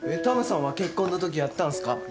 タムさんは結婚のときやったんすか？